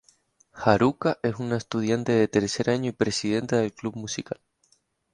Haruka es una estudiante de tercer año y presidenta del club musical.